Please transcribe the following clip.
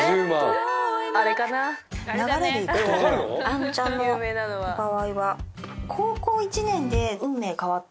綾乃ちゃんの場合は。